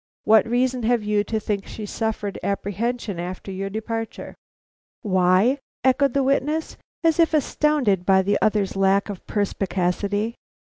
What reason have you to think she suffered apprehension after your departure?" "Why?" echoed the witness, as if astounded by the other's lack of perspicacity.